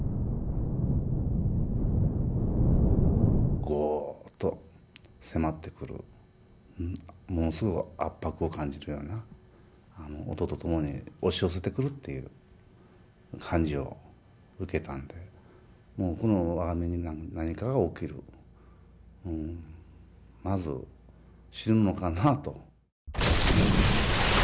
グオッと迫ってくるものすごい圧迫を感じるような音とともに押し寄せてくるっていう感じを受けたんでもうこの我が身に何かが起きるまず死ぬのかなあと。